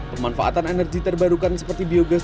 pemanfaatan energi terbarukan seperti biogas